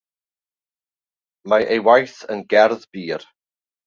Mae ei waith yn gerdd bur.